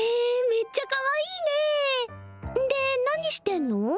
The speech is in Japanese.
めっちゃかわいいねんで何してんの？